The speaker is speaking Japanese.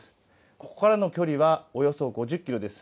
ここからの距離はおよそ５０キロです。